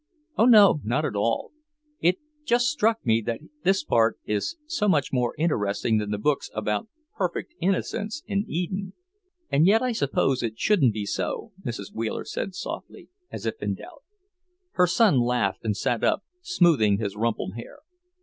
"Oh no, not at all! It just struck me that this part is so much more interesting than the books about perfect innocence in Eden." "And yet I suppose it shouldn't be so," Mrs. Wheeler said slowly, as if in doubt. Her son laughed and sat up, smoothing his rumpled hair.